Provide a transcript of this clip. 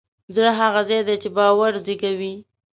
زړه هغه ځای دی چې باور زېږوي.